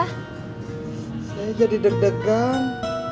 saya jadi deg degan